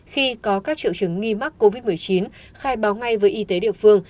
khi có các triệu chứng nghi mắc covid một mươi chín khai báo ngay với y tế địa phương